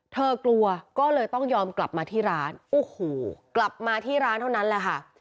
เธอกลัวก็เลยต้องยอมกลับมาที่ร้านโอ้โหกลับมาที่ร้านเท่านั้นแหละค่ะ